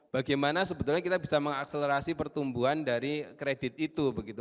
bagaimana sebetulnya kita bisa mengakselerasi pertumbuhan dari kredit itu begitu